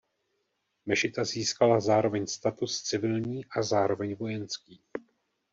Mešita získala zároveň status civilní a zároveň vojenský.